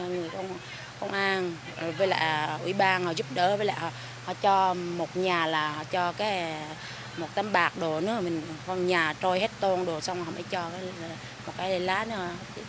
người công an với lại ủy ban giúp đỡ với lại họ cho một nhà là họ cho cái một tấm bạc đồ nữa con nhà trôi hết tôn đồ xong rồi họ mới cho một cái lá nữa